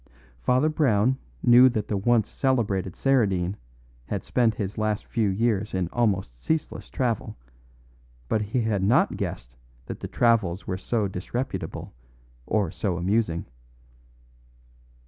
Father Brown knew that the once celebrated Saradine had spent his last few years in almost ceaseless travel, but he had not guessed that the travels were so disreputable or so amusing.